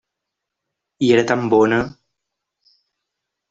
I era tan bona!